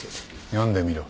読んでみろ。